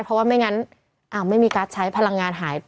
เพราะว่าไม่งั้นไม่มีการ์ดใช้พลังงานหาย